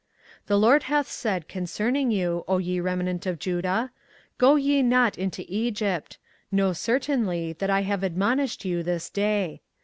24:042:019 The LORD hath said concerning you, O ye remnant of Judah; Go ye not into Egypt: know certainly that I have admonished you this day.